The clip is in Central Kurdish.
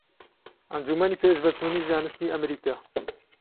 ئەنجوومەنی پێشڤەچوونی زانستی ئەمریكا